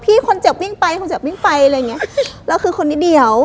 พี่คนเจ็บวิ่งไปคนเจ็บวิ่งไปอะไรอย่างเงี้ยแล้วคือคนนิดเดียว